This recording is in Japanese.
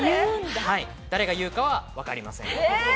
誰が言うかは分かりません。